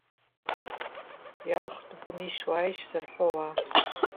Иалхтәуп унеишьуааишь зарҳәо ауаа.